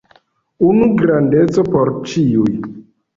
Unu grandeco por ĉiuj.